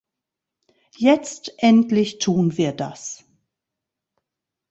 Jetzt endlich tun wir das.